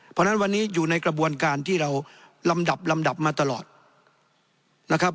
เพราะฉะนั้นวันนี้อยู่ในกระบวนการที่เราลำดับลำดับมาตลอดนะครับ